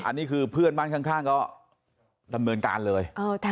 อันนี้คือเพื่อนบ้านข้างก็ดำเนินการเลย